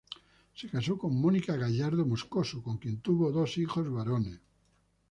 Se casó con Mónica Gallardo Moscoso con quien tuvo dos hijos varones.